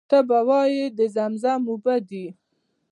ته به وایې د زمزم اوبه دي.